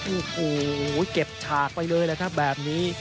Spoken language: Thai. อูหูเก็บฉากไปเลยแบบนี้